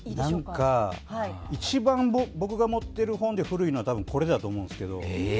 何か、一番僕が持ってる本で多分、これだと思うんですけど。